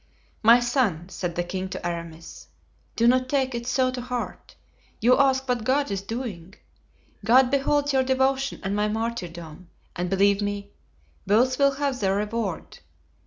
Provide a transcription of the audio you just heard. "My son," said the king to Aramis, "do not take it so to heart. You ask what God is doing. God beholds your devotion and my martyrdom, and believe me, both will have their reward.